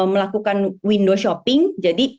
melakukan window shopping jadi